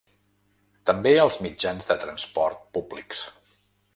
També als mitjans de transport públics.